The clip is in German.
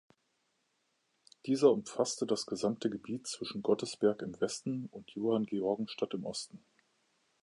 Dieser umfasste das gesamte Gebiet zwischen Gottesberg im Westen und Johanngeorgenstadt im Osten.